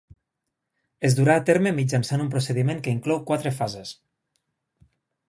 Es durà a terme mitjançant un procediment que inclou quatre fases.